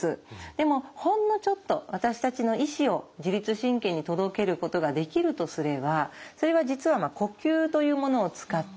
でもほんのちょっと私たちの意思を自律神経に届けることができるとすればそれは実は呼吸というものを使って。